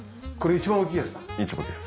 一番大きいやつです。